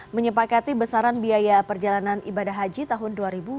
menyepakati besaran biaya perjalanan ibadah haji tahun dua ribu dua puluh